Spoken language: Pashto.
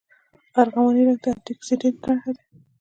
ارغواني رنګ د انټي اکسیډنټ نښه ده.